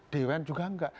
dewan juga enggak